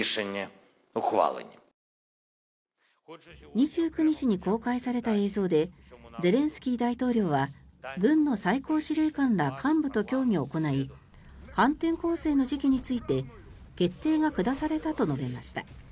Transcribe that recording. ２９日に公開された映像でゼレンスキー大統領は軍の最高司令官ら幹部と協議を行い反転攻勢の時期について決定が下されたと述べました。